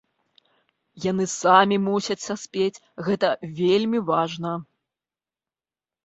Яны самі мусяць саспець, гэта вельмі важна.